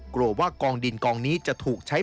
กลัวว่ากองดินกองนี้จะถูกใช้